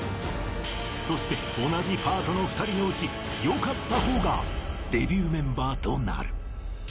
そして、同じパートの２人のうち、よかったほうがデビューメンバーとなる。